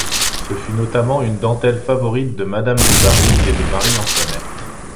Ce fut notamment une dentelle favorite de Madame du Barry et de Marie Antoinette.